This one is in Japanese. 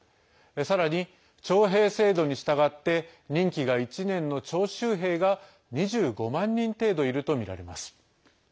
さらに、徴兵制度に従って任期が１年の徴集兵が２５万人程度いるとみられます。